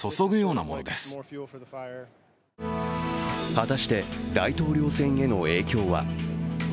果たして大統領選への影響は？